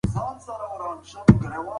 هنر د ښکلا د څرګندولو لاره نه ده.